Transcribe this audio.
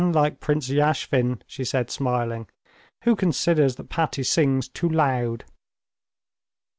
"Like Prince Yashvin," she said smiling, "who considers that Patti sings too loud."